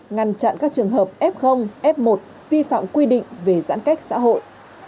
ngăn chặn các trường hợp f f một vi phạm quy định về giãn cách xã hội